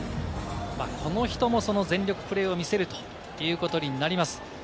この人も全力プレーを見せるということになります。